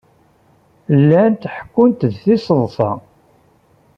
Llant ḥekkunt-d tiseḍsa.